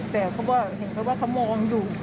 แต่เขาก็เห็นเขาว่าเขามองอยู่